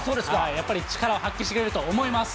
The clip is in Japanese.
やっぱり力を発揮してくれると思います。